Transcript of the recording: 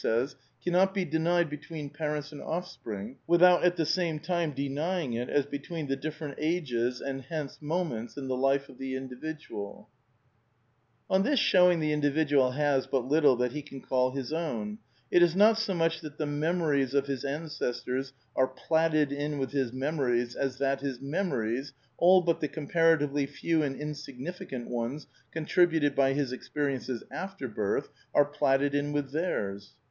"Personal identity cannot be denied between parents and off \ spring without at the same time denying it as between the differ i : ent ages (and hence moments) in the life of the individuaL" '; {The Note Boohs of Samuel Butler, page 375.) ' On this showing the individual has but little that he can call his own. It is not so much that the memories of his ancestors are platted in with his memories as that his memories — all but the comparatively few and insignifi cant ones contributed by his experiences after birth — are platted in with theirs.